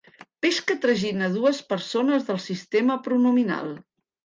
Peix que tragina dues persones del sistema pronominal.